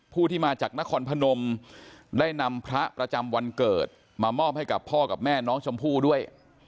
ผู้ที่มาจากนครพนมได้นำพระประจำวันเกิดมามอบให้กับพ่อกับแม่น้องชมพู่ด้วย